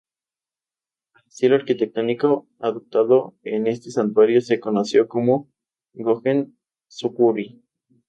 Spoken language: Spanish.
Al estilo arquitectónico adoptado en este santuario se conoció como "gongen-zukuri".